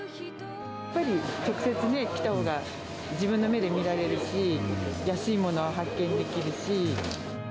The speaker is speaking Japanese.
やっぱり直接ね、来たほうが自分の目で見られるし、安いものを発見できるし。